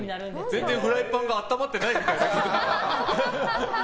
全然フライパンが温まってない。